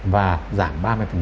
và giảm ba mươi